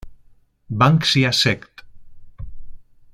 Banksia" sect.